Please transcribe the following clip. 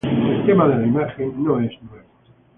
El tema de la imagen, no es nuevo.